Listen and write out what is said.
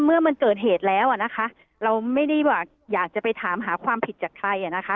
เมื่อมันเกิดเหตุแล้วอ่ะนะคะเราไม่ได้อยากจะไปถามหาความผิดจากใครอ่ะนะคะ